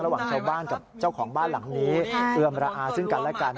ระหว่างชาวบ้านกับเจ้าของบ้านหลังนี้เอือมระอาซึ่งกันและกัน